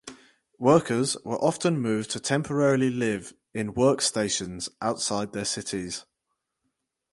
Workers were often moved to temporarily live in work stations outside their cities.